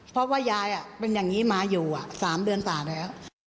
เพราะว่ายายเป็นอย่างนี้มาอยู่๓เดือนกว่าแล้ว